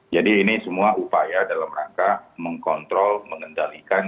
jadi ini semua upaya dalam rangka mengkontrol mengendalikan